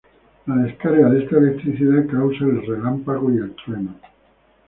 La descarga de esta electricidad causa el relámpago y el trueno.